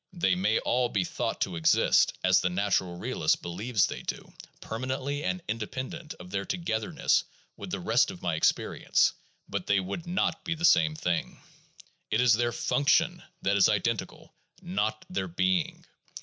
They may all be thought to exist, as the natural realist believes they do, permanently and independently of their togetherness with the rest of my experience ; but they would not be the same thing. It is their function that is identical, not their being.